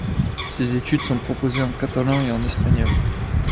Ces études sont proposés en catalan et en espagnol.